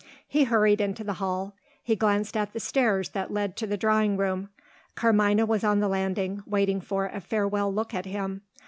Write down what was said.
He hurried into the hall; he glanced at the stairs that led to the drawing room. Carmina was on the landing, waiting for a farewell look at him.